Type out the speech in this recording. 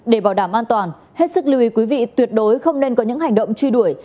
để bảo đảm an toàn hết sức lưu ý quý vị tuyệt đối không nên có những hành động truy đuổi